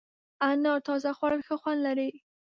انار تازه خوړل ښه خوند لري.